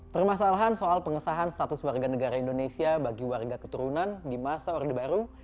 permasalahan soal pengesahan status warga negara indonesia bagi warga keturunan di masa orde baru